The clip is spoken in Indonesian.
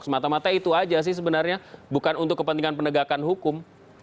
semata mata itu aja sih sebenarnya bukan untuk kepentingan penegakan hukum